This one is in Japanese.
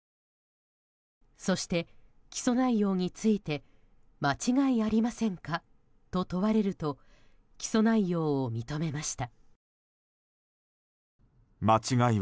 そして、起訴内容について間違いありませんかと問われると起訴内容を認めました。